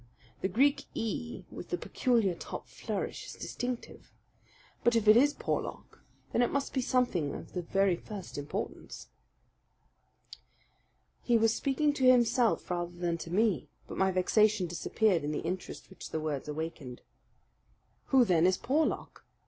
The Greek e with the peculiar top flourish is distinctive. But if it is Porlock, then it must be something of the very first importance." He was speaking to himself rather than to me; but my vexation disappeared in the interest which the words awakened. "Who then is Porlock?"